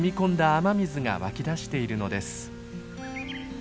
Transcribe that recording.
雨水が湧き出しているのです。